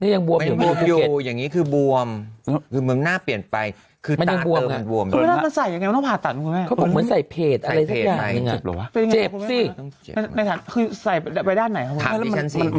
อย่างนี้คือบวมหน้าเปลี่ยนไปคือจะปิดเชื้อได้ไหมอ่ะ